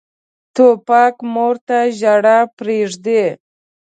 توپک مور ته ژړا پرېږدي.